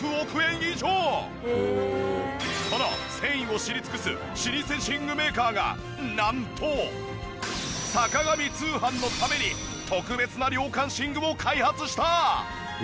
この繊維を知り尽くす老舗寝具メーカーがなんと『坂上通販』のために特別な涼感寝具を開発した！